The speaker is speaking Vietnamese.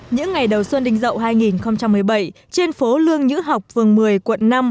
những ngày đầu xuân đình dậu hai nghìn một mươi bảy trên phố lương nhữ học phường một mươi quận năm